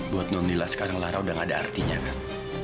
buat nonila sekarang lara udah gak ada artinya kan